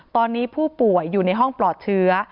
ตอนนี้ผู้ป่วยอยู่ในห้องปลอดเชื้อ